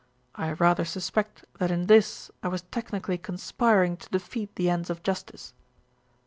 I rather suspect that in this I was technically conspiring to defeat the ends of justice."